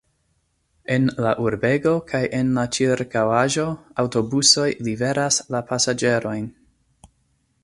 En la urbego kaj en la ĉirkaŭaĵo aŭtobusoj liveras la pasaĝerojn.